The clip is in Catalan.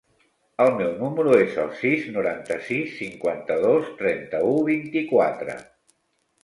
El meu número es el sis, noranta-sis, cinquanta-dos, trenta-u, vint-i-quatre.